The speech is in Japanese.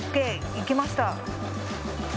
いけました。